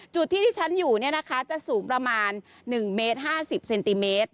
จุดที่ที่ฉันอยู่จะสูงประมาณ๑เมตร๕๐เซนติเมตร